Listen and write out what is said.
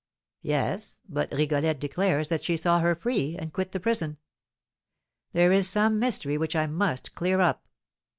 "Yes, but Rigolette declares that she saw her free, and quit the prison. There is some mystery which I must clear up."